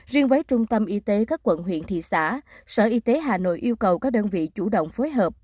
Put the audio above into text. riêng với trung tâm y tế các quận huyện thị xã sở y tế hà nội yêu cầu các đơn vị chủ động phối hợp